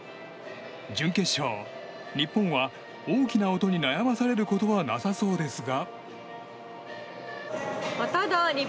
準決勝、日本は大きな音に悩まされることはなさそうですが。